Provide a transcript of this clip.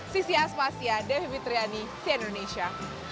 sisi asmasya devi fitriani cien indonesia